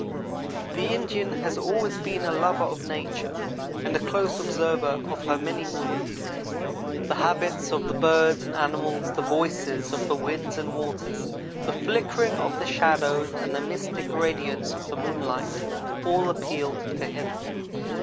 The Indian has always been a lover of nature and a close observer of her many moods. The habits of the birds and animals, the voices of the winds and waters, the flickering of the shadows, and the mystic radiance of the moonlight all appealed to him.